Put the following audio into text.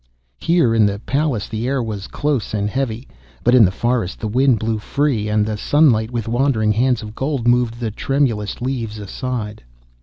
Here, in the Palace, the air was close and heavy, but in the forest the wind blew free, and the sunlight with wandering hands of gold moved the tremulous leaves aside.